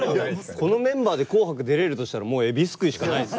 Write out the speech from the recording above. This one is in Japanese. このメンバーで「紅白」出れるとしたらもう「海老すくい」しかないです。